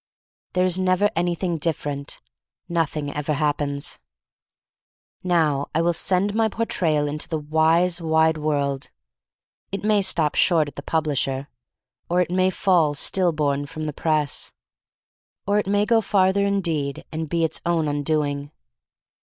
There is never anything different; nothing ever ha'ppens. Now I will send my Portrayal into the wise wide world. It may stop short at the publisher; or it may fall still born from the press; or it may go farther, indeed, and be its own undoing.